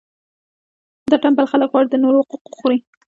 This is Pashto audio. دا ټنبل خلک غواړي د نورو حق وخوري.